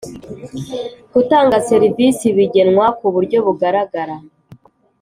Gutanga serivisi bigenwa ku buryo bugaragara